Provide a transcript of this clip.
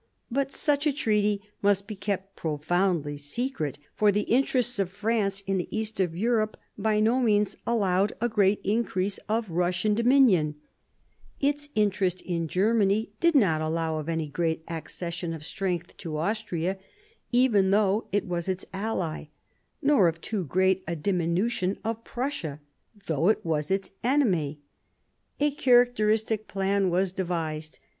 But such a treaty must be kept pro foundly secret; for the interests of France in the east of Europe by no means allowed a great increase of Eussian dominion ; its interest in Germany did not allow of any great accession of strength to Austria, even though it was its ally, nor of too great a diminution of Prussia, although it was its enemy. A characteristic plan was devised.